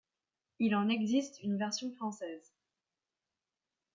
Il en existe une version française.